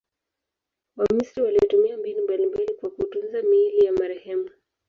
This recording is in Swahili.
Wamisri walitumia mbinu mbalimbali kwa kutunza miili ya marehemu.